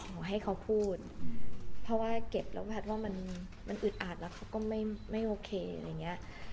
ขอให้เขาพูดเพราะว่าเก็บแล้วแพทย์ว่ามันอึดอัดแล้วเขาก็ไม่โอเคอะไรอย่างนี้